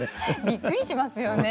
びっくりしますよね。